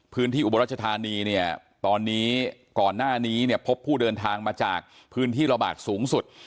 อุบรัชธานีเนี่ยตอนนี้ก่อนหน้านี้เนี่ยพบผู้เดินทางมาจากพื้นที่ระบาดสูงสุด